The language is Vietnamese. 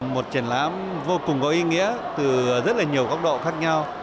một triển lãm vô cùng có ý nghĩa từ rất là nhiều góc độ khác nhau